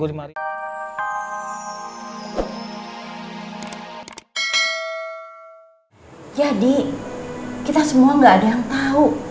ya di kita semua gak ada yang tau